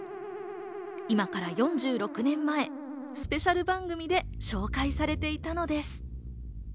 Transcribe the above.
今から４６年前、スペシャル番組で紹介されていたのです。